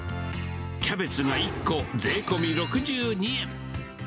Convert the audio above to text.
キャベツが１個、税込み６２円。